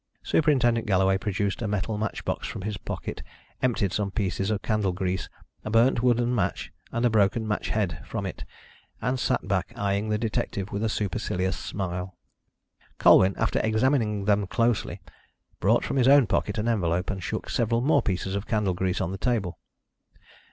Superintendent Galloway produced a metal match box from his pocket, emptied some pieces of candle grease, a burnt wooden match and a broken matchhead from it, and sat back eyeing the detective with a supercilious smile. Colwyn, after examining them closely, brought from his own pocket an envelope, and shook several more pieces of candle grease on the table.